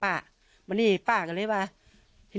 ภรรยาก็บอกว่านายเทวีอ้างว่าไม่จริงนายทองม่วนขโมย